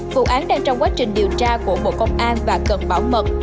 vụ án đang trong quá trình điều tra của bộ công an và cần bảo mật